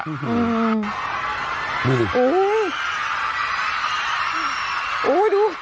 โอ้ยดู